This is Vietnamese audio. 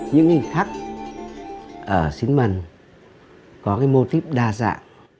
những hình thắc ở xín mần có mô típ đa dạng